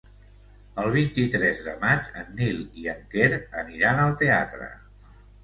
El vint-i-tres de maig en Nil i en Quer aniran al teatre.